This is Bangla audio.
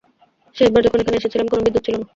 শেষবার যখন এখানে এসেছিলাম, কোনো বিদ্যুৎ ছিল না।